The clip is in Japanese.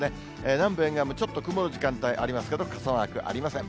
南部沿岸部、ちょっと曇る時間帯ありますけど、傘マークありません。